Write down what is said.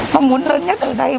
mong muốn lớn nhất ở đây